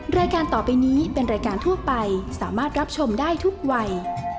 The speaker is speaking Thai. รายการต่อไปนี้เป็นรายการทั่วไปสามารถรับชมได้ทุกวัย